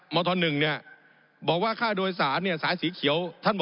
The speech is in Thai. ผมอภิปรายเรื่องการขยายสมภาษณ์รถไฟฟ้าสายสีเขียวนะครับ